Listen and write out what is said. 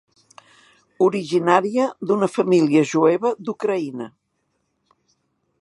Originària d'una família jueva d'Ucraïna.